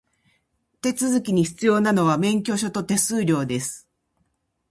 手続きに必要なのは、免許証と手数料です。